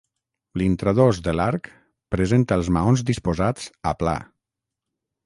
L'intradós de l'arc presenta els maons disposats a pla.